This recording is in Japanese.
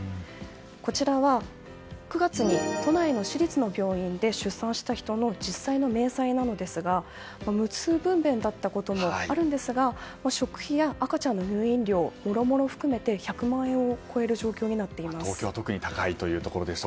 こちらは９月に都内の私立の病院で出産した人の実際の明細なのですが無痛分娩だったこともありますが食費や赤ちゃんの入院料諸々を含めて１００万円を超える状況になっています。